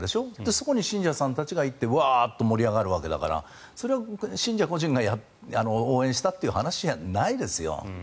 そこに信者さんたちが言ってわーって盛り上がるわけだからそれは信者個人が応援したという話じゃないですよ。